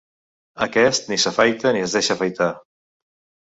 Aquest ni s'afaita ni es deixa afaitar.